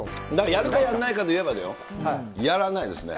やるかやらないかと言えばだよ、やらないですね。